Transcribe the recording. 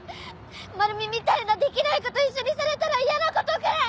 まるみみたいなできない子と一緒にされたら嫌なことくらい！